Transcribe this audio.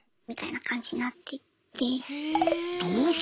みたいな感じになっていって。